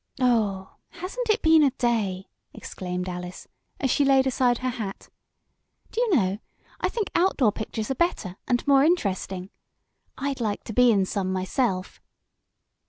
"Oh, hasn't it been a day!" exclaimed Alice, as she laid aside her hat. "Do you know, I think outdoor pictures are better, and more interesting. I'd like to be in some myself."